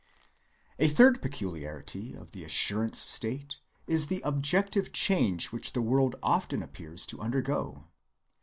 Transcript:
A third peculiarity of the assurance state is the objective change which the world often appears to undergo.